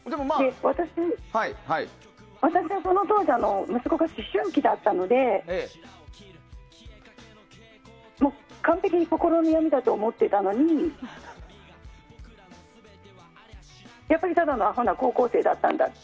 私は、その当時息子が思春期だったのでもう完璧に心の闇だと思ってたのにやっぱり、ただのアホな高校生だったんだって。